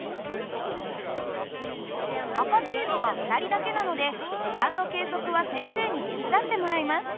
赤チームは２人だけなので時間の計測は先生に手伝ってもらいます。